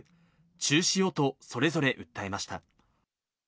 中止をと、それぞれ訴えました。